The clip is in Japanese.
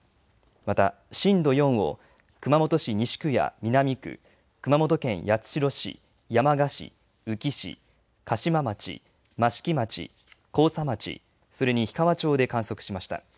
また震度４を熊本市西区や南区、熊本県八代市、山鹿市、宇城市、嘉島町、益城町、甲佐町、それに氷川町で観測しました。